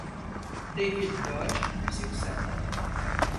David Dodge lui succède.